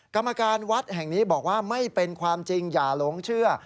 กรรมการวัดแห่งนี้บอกว่าไม่เป็นความจริงอย่าหลงเชื่อ